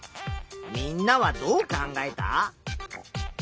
みんなはどう考えた？